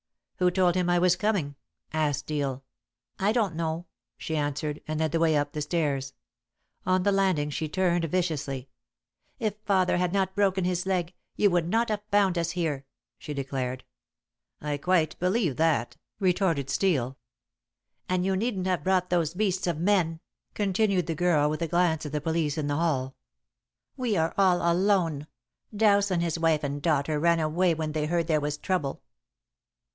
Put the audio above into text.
"Who told him I was coming?" asked Steel. "I don't know," she answered, and led the way up the stairs. On the landing she turned viciously. "If father had not broken his leg, you would not have found us here," she declared. "I quite believe that," retorted Steel. "And you needn't have brought those beasts of men," continued the girl, with a glance at the police in the hall. "We are all alone. Dowse and his wife and daughter ran away whenever they heard there was trouble."